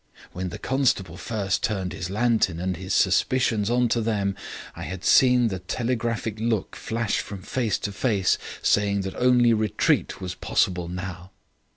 When the constable first turned his lantern and his suspicions on to them, I had seen the telegraphic look flash from face to face saying that only retreat was possible now.